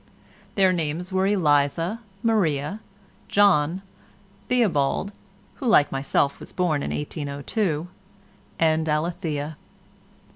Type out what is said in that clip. Their names were Eliza, Maria, John, Theobald (who like myself was born in 1802), and Alethea.